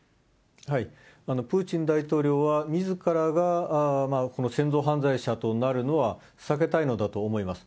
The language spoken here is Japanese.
プーチン大統領は、みずからが戦争犯罪者となるのは避けたいのだと思います。